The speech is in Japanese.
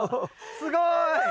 すごい！